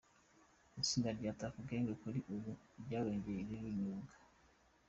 Itsinda rya Tuff Gang kuri ubu ryarongeye ririyunga.